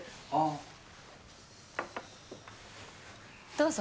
どうぞ。